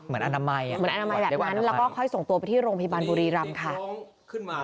เหมือนอนามัย